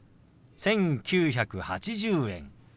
「１９８０円」。